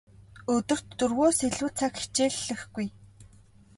Өдөрт дөрвөөс илүү цаг хичээллэхгүй.